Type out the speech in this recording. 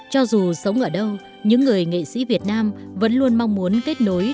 cho dù sống ở đâu những người nghệ sĩ việt nam vẫn luôn mong muốn kết nối